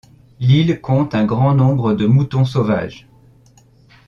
L'île compte un grand nombre de moutons sauvages.